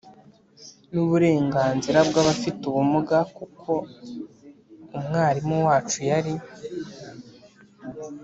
n'uburenganzira bw'abafite ubumuga kuko umwarimu wacu yari